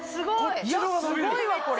すごいわこれ。